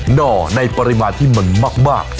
ห่อในปริมาณที่มันมาก